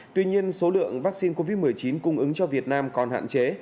tuy nhiên số lượng vaccine covid một mươi chín cung ứng cho việt nam còn hạn chế